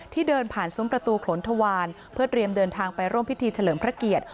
เดินผ่านซุ้มประตูโขนทวารเพื่อเตรียมเดินทางไปร่วมพิธีเฉลิมพระเกียรติ